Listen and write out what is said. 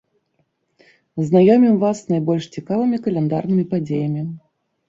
Знаёмім вас з найбольш цікавымі каляндарнымі падзеямі.